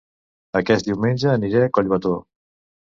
Aquest diumenge aniré a Collbató